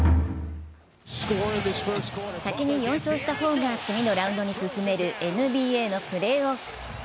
先の４勝した方が次のラウンドに進めるＮＢＡのプレーオフ。